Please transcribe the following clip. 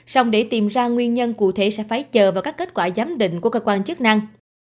xong để tìm ra nguyên nhân cụ thể sẽ phải chờ vào các kết quả giám định của cơ quan chức năng